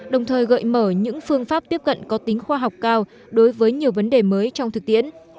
đồng thời gợi mở những phương pháp tiếp cận có tính khoa học cao đối với nhiều vấn đề mới trong thực tiễn